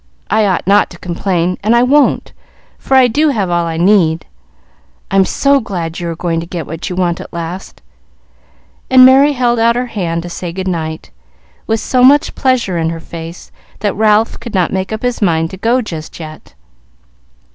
I ought not to complain, and I won't, for I do have all I need. I'm so glad you are going to get what you want at last;" and Merry held out her hand to say good night, with so much pleasure in her face that Ralph could not make up his mind to go just yet.